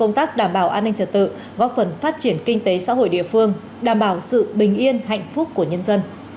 công tác đảm bảo an ninh trật tự góp phần phát triển kinh tế xã hội địa phương đảm bảo sự bình yên hạnh phúc của nhân dân